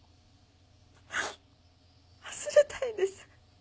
忘れたいんです